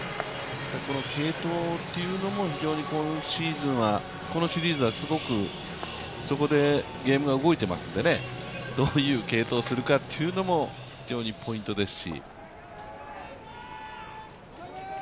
継投というのもこのシリーズは、そこですごくゲームが動いていますので、どういう継投をするかというのも非常にポイントですし。